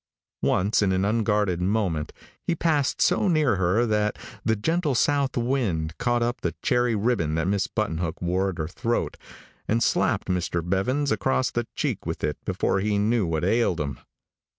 Once, in an unguarded moment, he passed so near her that the gentle south wind caught up the cherry ribbon that Miss Buttonhook wore at her throat, and slapped Mr. Bevans across the cheek with it before he knew what ailed him.